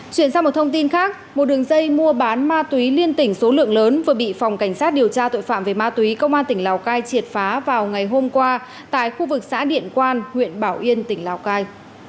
chuyển sang một thông tin khác một đường dây mua bán ma túy liên tỉnh số lượng lớn vừa bị phòng cảnh sát điều tra tội phạm về ma túy công an tỉnh lào cai triệt phá vào ngày hôm qua tại khu vực xã điện quan huyện bảo yên tỉnh lào cai